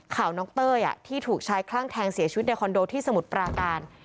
ข่าวน้องเต้ยที่ถูกชายคลั่งแทงเสียชีวิตในคอนโดที่สมุทรปราการ